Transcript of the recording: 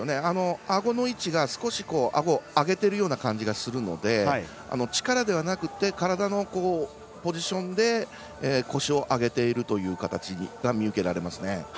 あごの位置を少し上げているような感じがするので力ではなくて、体のポジションで腰を上げていますね。